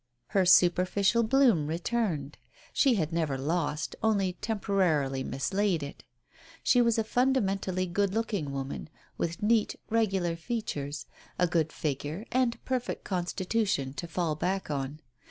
Her superficial bloom returned ; she had never lost, only temporarily mislaid it. She was a fundament ally good looking woman, with neat, regular features, a good figure and perfect constitution to fall back on.